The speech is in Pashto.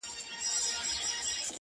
• ډېوې د اُمیدنو مو لا بلي دي ساتلي,